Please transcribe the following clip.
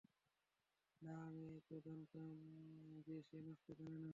না, আমি তো জানতাম যে সে নাচতে জানেনা।